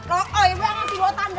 kok oi banget sih bawa tangga